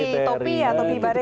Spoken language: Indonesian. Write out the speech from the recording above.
topi ya topi beri ya